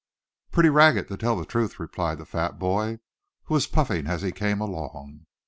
"Pretty ragged, to tell the truth," replied the fat boy, who was puffing as he came along.